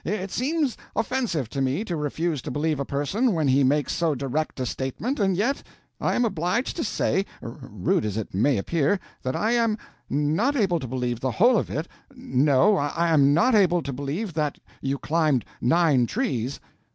It seems offensive to me to refuse to believe a person when he makes so direct a statement, and yet I am obliged to say, rude as it may appear, that I am not able to believe the whole of it—no, I am not able to believe that you climbed nine trees."